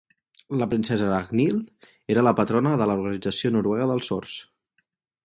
La Princesa Ragnhild era la patrona de la Organització Noruega dels Sords.